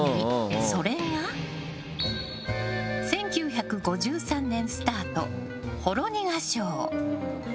それが１９５３年スタート「ほろにがショー」。